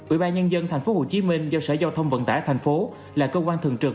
ủy ban nhân dân tp hcm giao sở giao thông vận tải thành phố là cơ quan thường trực